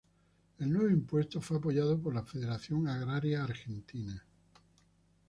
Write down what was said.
El nuevo impuesto fue apoyado por la Federación Agraria Argentina.